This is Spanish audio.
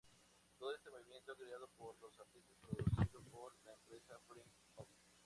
Todo este movimiento creado por los artistas, producido por la empresa Freak Out!